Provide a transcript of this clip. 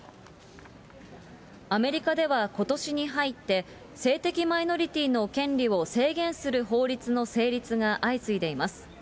アメリカでは、ことしに入って、性的マイノリティーの権利を制限する法律の成立が相次いでいます。